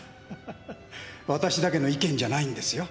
私だけの意見じゃないんですよ。